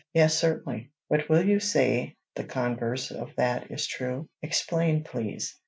"Yes, certainly. But will you say the converse of that is true?" "Explain, please."